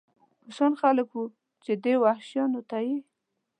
په شان خلک و، چې دې وحشیانو ته یې.